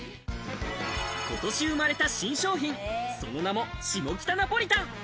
ことし生まれた新商品、その名も下北ナポリタン。